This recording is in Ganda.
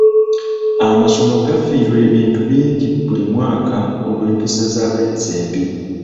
Amasomero gafiirwa ebintu bingi buli mwaka olw'empisa z'abayizi embi.